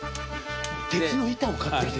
鉄の板を買ってきて？